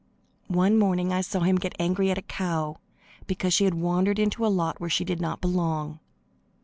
One morning I saw him get angry at a cow, because she had wandered into a lot where she did not belong.